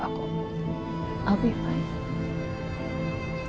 aku akan baik baik